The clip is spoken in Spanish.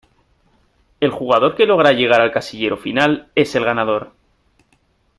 El jugador que logra llegar al casillero final es el ganador.